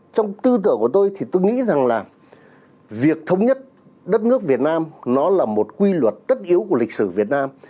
trong tư tưởng của tôi thì tôi nghĩ rằng là việc thống nhất đất nước việt nam nó là một quy luật tất yếu của lịch sử việt nam